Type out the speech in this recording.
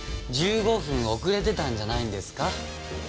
１５分遅れてたんじゃないんですか？